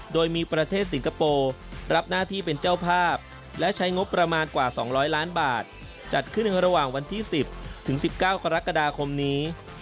โดยมีประเทศสิงคโปร์รับหน้าที่เป็นเจ้าภาพและใช้งบประมาณกว่า๒๐๐ล้านบาทจัดขึ้นระหว่างวันที่๑๐ถึง๑๙กรกฎาคมนี้